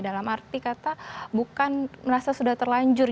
dalam arti kata bukan merasa sudah terlanjur